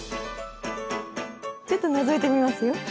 ちょっとのぞいてみますよ。